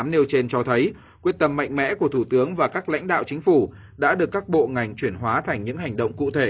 nêu trên cho thấy quyết tâm mạnh mẽ của thủ tướng và các lãnh đạo chính phủ đã được các bộ ngành chuyển hóa thành những hành động cụ thể